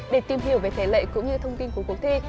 để tìm hiểu về thể lệ cũng như thông tin của cuộc thi